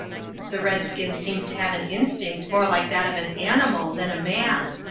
The redskin seems to have an instinct more like that of an animal than a man.